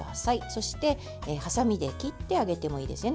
そして、はさみで切ってあげてもいいですね